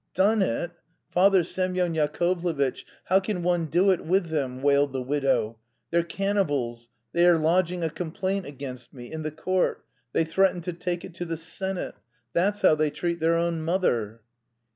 "Done it! Father Semyon Yakovlevitch. How can one do it with them?" wailed the widow. "They're cannibals; they're lodging a complaint against me, in the court; they threaten to take it to the senate. That's how they treat their own mother!"